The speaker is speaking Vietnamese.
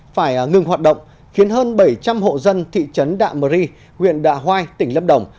phải ngừng hoạt động khiến hơn bảy trăm linh hộ dân thị trấn đạ mơ ri huyện đạ hoai tỉnh lâm đồng